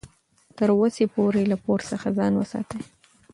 تر وسې پورې له پور څخه ځان وساتئ.